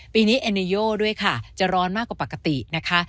ปีนี้เอเนโยด้วยค่ะจะร้อนมากกว่าปกตินะคะ